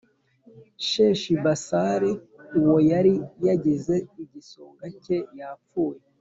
Sheshibasari uwo yari yagize igisonga cye yapfuye